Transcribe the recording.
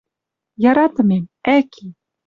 «Яратымем, ӓки